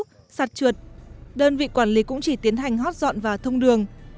sau mưa lũ sạt trượt đơn vị quản lý cũng chỉ tiến hành hót dọn và thông đường